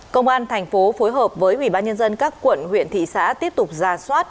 công an thành phố phối hợp với ubnd các quận huyện thị xã tiếp tục ra soát